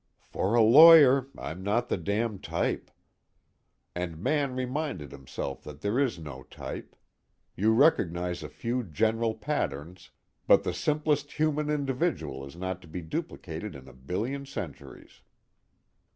For a lawyer I'm not the damn type. And Mann reminded himself that there is no type. You recognize a few general patterns, but the simplest human individual is not to be duplicated in a billion centuries.